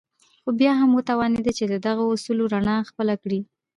خو بيا هم وتوانېد چې د همدغو اصولو رڼا خپله کړي.